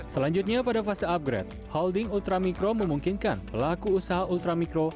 selanjutnya pada fase upgrade holding ultra mikro memungkinkan pelaku usaha ultra mikro